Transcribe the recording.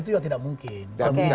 itu juga tidak mungkin